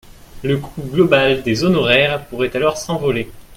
Le coût global des honoraire pourrait alors s’envoler.